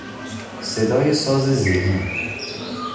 صدای ساز زهی